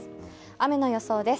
雨の予想です。